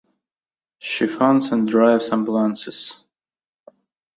She funds and drives ambulances.